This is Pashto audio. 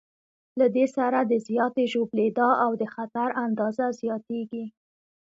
له دې سره د زیاتې ژوبلېدا او د خطر اندازه زیاتېږي.